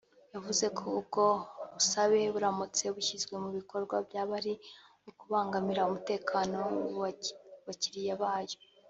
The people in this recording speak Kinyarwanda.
yavuze ko ubwo busabe buramutse bushyizwe mu bikorwa byaba ari ukubangamira umutekano w’abakiriya bayo